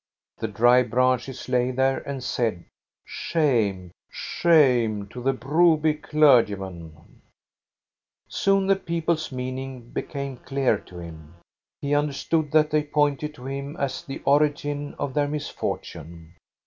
The dry branches lay there and said: "Shame, shame to the Broby clergyman !" Soon the people's meaning became clear to him. He understood that they pointed to him as the ori gin of their misfortune.